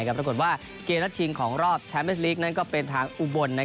ปรากฏว่าเกมนัดชิงของรอบแชมป์เอสลีกนั้นก็เป็นทางอุบล